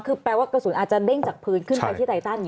คือแปลว่ากระสุนอาจจะเด้งจากพื้นขึ้นไปที่ไตตัน